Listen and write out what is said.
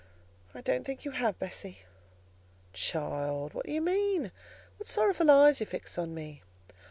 "I don't think you have, Bessie." "Child! what do you mean? What sorrowful eyes you fix on me!